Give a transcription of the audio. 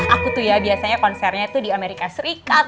aku tuh ya biasanya konsernya tuh di amerika serikat